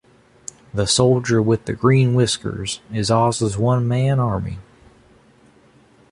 The Soldier with the Green Whiskers is Oz's one-man army.